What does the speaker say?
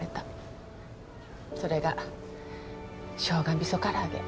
それがしょうが味噌からあげ。